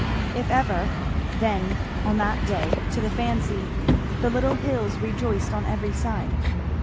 If ever, then on that day, to the fancy, "the little hills rejoiced on every side."